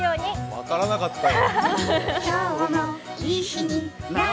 分からなかったよ。